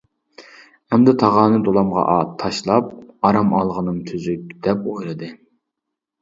ئەمدى تاغارنى دولامغا تاشلاپ ئارام ئالغىنىم تۈزۈك، دەپ ئويلىدى.